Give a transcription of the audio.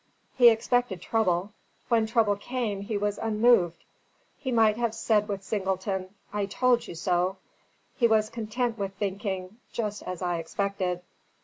He expected trouble; when trouble came, he was unmoved: he might have said with Singleton, "I told you so"; he was content with thinking, "just as I expected."